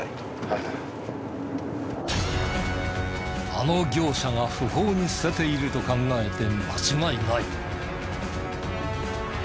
あの業者が不法に捨てていると考えて間違いない。